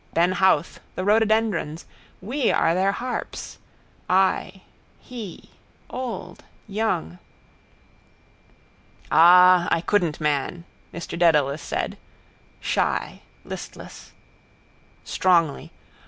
Ben Howth, the rhododendrons. We are their harps. I. He. Old. Young. —Ah, I couldn't, man, Mr Dedalus said, shy, listless. Strongly.